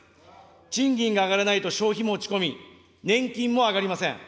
賃金があがらないと消費も落ち込み、年金も上がりません。